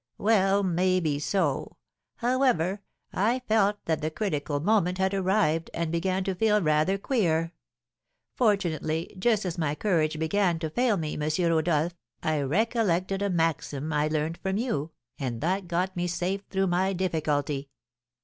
"Well, maybe so; however, I felt that the critical moment had arrived, and began to feel rather queer; fortunately, just as my courage began to fail me, M. Rodolph, I recollected a maxim I learned from you, and that got me safe through my difficulty."